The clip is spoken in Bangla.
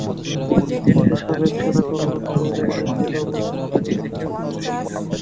এতে সাবেক সেনা কর্মকর্তাদের সহযোগিতা ছিল বলে দাবি করেছে জঙ্গি সংগঠনটি।